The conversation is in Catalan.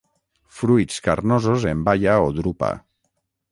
Fruits carnosos en baia o drupa.